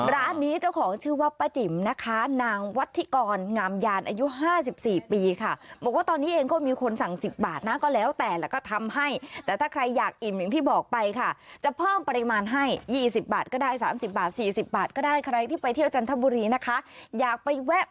ร้านนี้เจ้าของชื่อว่าป้าจิมนะคะ